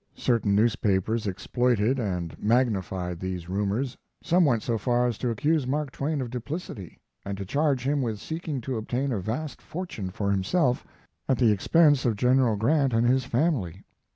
Certain newspapers exploited and magnified these rumors some went so far as to accuse Mark Twain of duplicity, and to charge him with seeking to obtain a vast fortune for himself at the expense of General Grant and his family.